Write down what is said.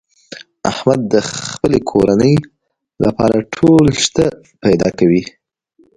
احمد د خپلې کورنۍ لپاره ټول شته فدا کوي.